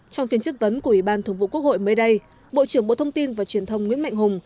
trong phiên chất vấn của ủy ban thường vụ quốc hội mới đây bộ trưởng bộ thông tin và truyền thông nguyễn mạnh hùng